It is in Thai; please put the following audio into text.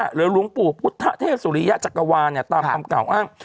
หลวงปู่พุทธเทพสุริยะจักรวาลตามคำกล่าวอ้าง